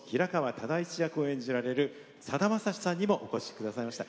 唯一役を演じられるさだまさしさんにもお越しいただきました。